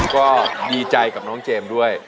ก็ดีใจกับน้องเจมส์ด้วย